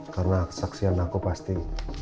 karena saksian aku pasti